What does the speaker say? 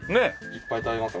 いっぱい食べます